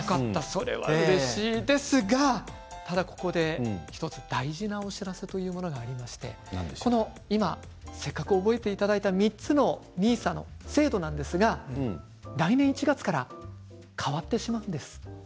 それは、うれしいですがただ、ここで１つ大事なお知らせがございましてせっかく覚えていただいた３つのＮＩＳＡの制度なんですが、来年１月から変わってしまうんです。